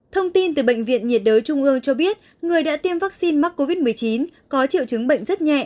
thông tin từ bệnh viện nhiệt đới trung ương cho biết người đã tiêm vaccine mắc covid một mươi chín có triệu chứng bệnh rất nhẹ